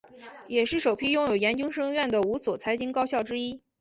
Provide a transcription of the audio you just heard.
也是首批拥有研究生院的五所财经高校之一。